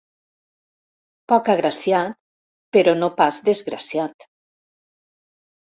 Poc agraciat, però no pas desgraciat.